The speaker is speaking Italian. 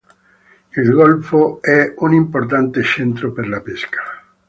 Il golfo è un importante centro per la pesca.